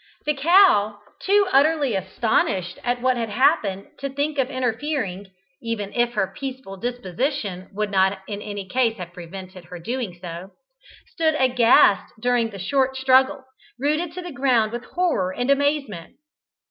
The cow, too utterly astonished at what had happened to think of interfering, even if her peaceful disposition would not in any case have prevented her doing so, stood aghast during the short struggle, rooted to the ground with horror and amazement.